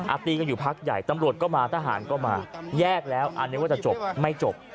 ตีกันอยู่พักใหญ่ตำรวจก็มาทหารก็มาแยกแล้วอันนึกว่าจะจบไม่จบ